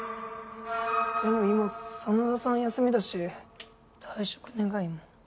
でも今真田さん休みだし退職願も。